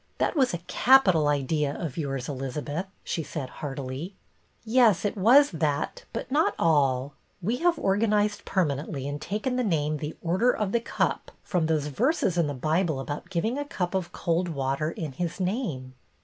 That was a capital idea of yours, Elizabeth," she said heartily. " Yes, it was that but not all. We have organized permanently and taken the name The Order of The Cup, from those verses in the Bible about giving a cup of cold water in His name."